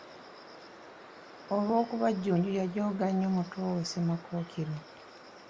Olw’okuba Jjunju yajooga nnyo muto we Ssemakookiro.